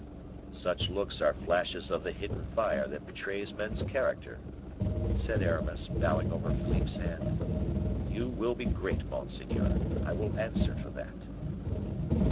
"Such looks are flashes of the hidden fire that betrays men's character," said Aramis, bowing over Philippe's hand; "you will be great, monseigneur, I will answer for that."